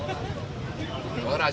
oh enggak enggak